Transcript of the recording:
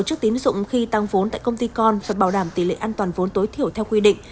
sử dụng khi tăng vốn tại công ty con và bảo đảm tỷ lệ an toàn vốn tối thiểu theo quy định